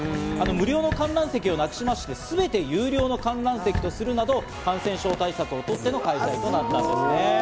無料の観覧席をなくしまして、全て有料の観覧席とするなど感染症対策をとっての開催となったんですね。